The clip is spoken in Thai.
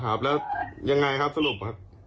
ครับแล้วยังไงครับสรุปครับ